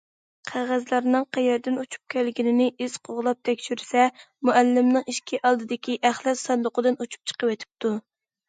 قەغەزلەرنىڭ قەيەردىن ئۇچۇپ كەلگىنىنى ئىز قوغلاپ تەكشۈرسە، مۇئەللىمنىڭ ئىشىكى ئالدىدىكى ئەخلەت ساندۇقىدىن ئۇچۇپ چىقىۋېتىپتۇ.